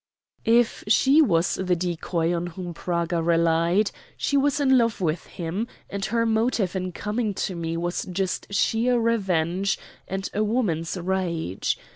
If she was the decoy on whom Praga relied, she was in love with him, and her motive in coming to me was just sheer revenge and woman's rage.